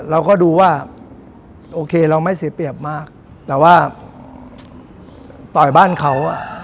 เราก็ดูว่าโอเคเราไม่เสียเปรียบมากแต่ว่าต่อยบ้านเขา